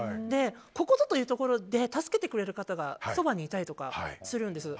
ここぞというところで助けてくれる方がそばにいたりとかするんです。